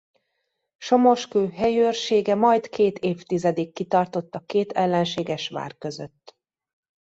Somoskő helyőrsége majd két évtizedig kitartott a két ellenséges vár között.